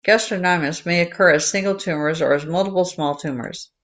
Gastrinomas may occur as single tumors or as multiple small tumors.